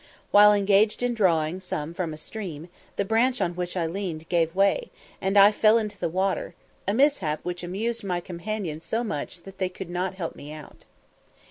While engaged in drawing some from a stream, the branch on which I leaned gave way, and I fell into the water, a mishap which amused my companions so much that they could not help me out.